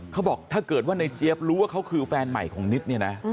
เขาบอกถ้าเกิดว่าในเจี๊ยบรู้ว่าเขาคือแฟนใหม่ของนิดเนี่ยนะ